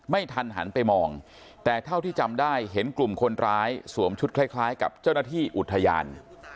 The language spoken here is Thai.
ไม่ทันหันไปมองแต่เท่าที่จำได้เห็นกลุ่มคนร้ายสวมชุดคล้ายกับเจ้าหน้าที่อุทยาน